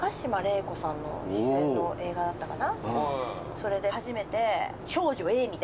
それで初めて。